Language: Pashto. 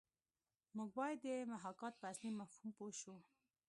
موږ باید د محاکات په اصلي مفهوم پوه شو